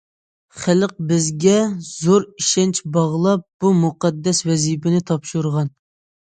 خەلق بىزگە زور ئىشەنچ باغلاپ بۇ مۇقەددەس ۋەزىپىنى تاپشۇرغان.